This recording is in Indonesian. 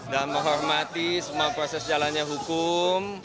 dan menghormati semua proses jalannya hukum